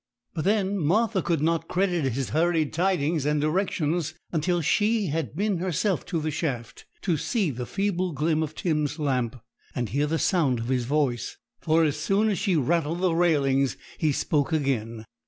But then Martha could not credit his hurried tidings and directions, until she had been herself to the shaft to see the feeble gleam of Tim's lamp, and hear the sound of his voice; for as soon as she rattled the railings he spoke again.